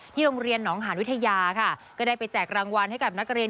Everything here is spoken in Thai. โรงเรียนหนองหานวิทยาค่ะก็ได้ไปแจกรางวัลให้กับนักเรียน